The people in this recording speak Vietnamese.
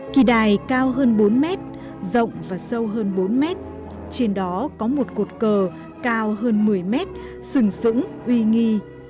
kỳ đài cao hơn bốn mét rộng và sâu hơn bốn mét trên đó có một cột cờ cao hơn một mươi mét sừng sững uy nghi